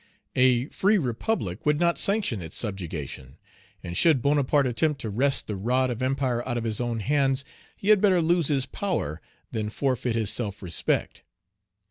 A free republic would not sanction its subjugation; and should Bonaparte attempt to wrest "the rod of empire" out of his own hands, he had better lose his power than forfeit his self respect.